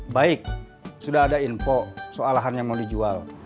baik sudah ada info soalannya mau dijual